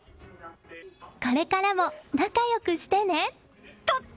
これからも仲良くしてね！